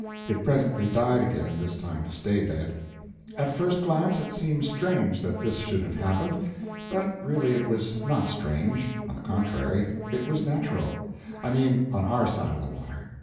It presently died again this time to stay dead. At first glance it seems strange that this should have happened; but really it was not strange on the contrary it was natural; I mean on our side of the water.